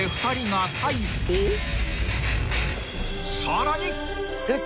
［さらに］